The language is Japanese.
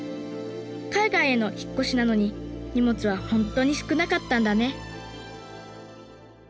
海外への引っ越しなのに荷物はほんとに少なかったんだね